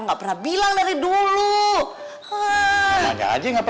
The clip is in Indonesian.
nanti kita dong